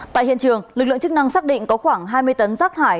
tại hiện trường lực lượng chức năng xác định có khoảng hai mươi tấn rác thải